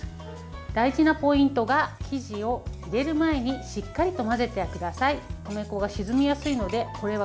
大事なポイントが生地を入れる前にしっかりと混ぜてください。